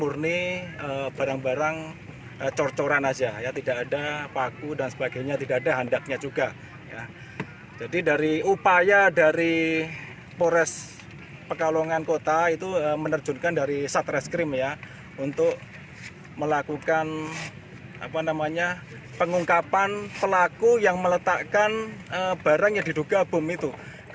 untuk melakukan pengungkapan pelaku yang meletakkan barang yang diduga bom itu